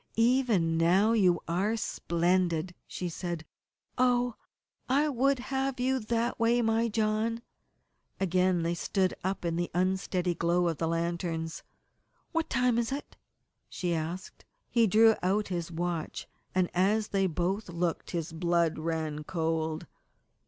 "Even now you are splendid," she said. "Oh, I would have you that way, my John!" Again they stood up in the unsteady glow of the lanterns. "What time is it?" she asked. He drew out his watch, and as they both looked his blood ran cold.